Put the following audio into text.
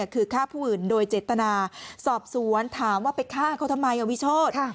คือฆ่าผู้อื่นโดยเจตนาสอบสวนถามว่าไปฆ่าเขาทำไมวิโชธ